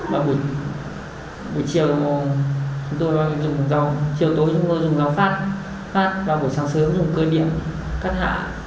và buổi chiều tối chúng tôi dùng rau phát và buổi sáng sớm dùng cơ điện cắt hạ